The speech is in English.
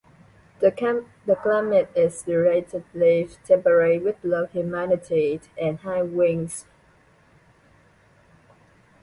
The climate is relatively temperate with low humidity and high winds.